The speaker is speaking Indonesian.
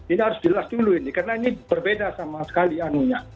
ini harus jelas dulu ini karena ini berbeda sama sekali anunya